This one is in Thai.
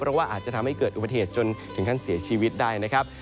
เพราะว่าอาจจะทำให้เกิดอุบัติเหตุจนถึงขั้นเสียชีวิตได้นะครับ